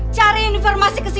cari informasi kepadamu